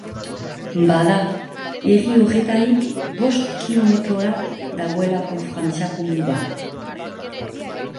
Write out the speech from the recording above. Bada, herri horretarik bortz kilometrora dagoelako Frantziako muga.